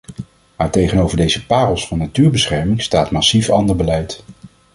Maar tegenover deze parels van natuurbescherming staat massief ander beleid.